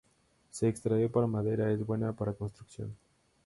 Se extrae para madera, es buena para construcción.